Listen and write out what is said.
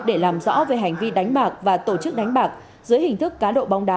để làm rõ về hành vi đánh bạc và tổ chức đánh bạc dưới hình thức cá độ bóng đá